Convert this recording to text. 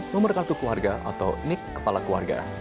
nomor kartu keluarga atau nik kepala keluarga